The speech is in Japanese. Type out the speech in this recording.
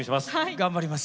頑張ります。